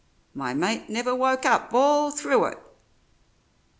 "My mate never woke up all through it."